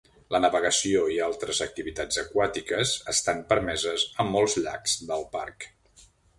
La navegació i altres activitats aquàtiques estan permeses a molts llacs del Parc.